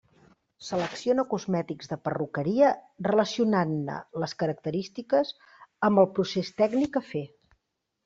Selecciona cosmètics de perruqueria relacionant-ne les característiques amb el procés tècnic a fer.